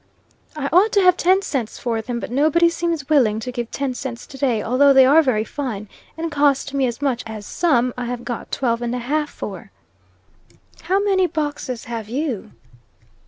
"I ought to have ten cents for them, but nobody seems willing to give ten cents to day, although they are very fine, and cost me as much as some I have got twelve and a half for." "How many boxes have you?"